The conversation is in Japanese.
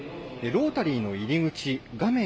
ロータリーの入り口、画面